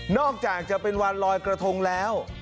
อกจากจะเป็นวันลอยกระทงแล้ว